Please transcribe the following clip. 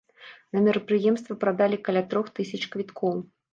На мерапрыемства прадалі каля трох тысяч квіткоў.